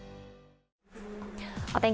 お天気